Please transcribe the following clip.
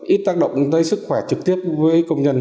ít tác động tới sức khỏe trực tiếp với công nhân